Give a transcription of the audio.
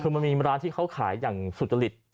คือมันมีร้านที่เขาขายอย่างสุจริต